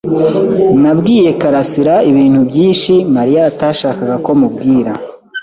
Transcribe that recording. Nabwiye karasira ibintu byinshi Mariya atashakaga ko mubwira.